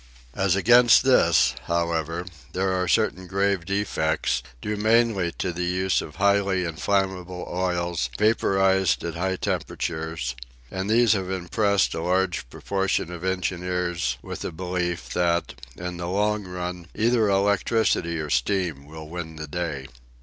As against this, however, there are certain grave defects, due mainly to the use of highly inflammable oils vapourised at high temperatures; and these have impressed a large proportion of engineers with a belief that, in the long run, either electricity or steam will win the day.